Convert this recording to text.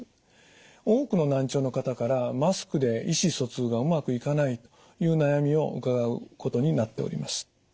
多くの難聴の方からマスクで意思疎通がうまくいかないという悩みを伺うことになっております。